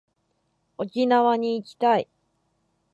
沖縄に行きたい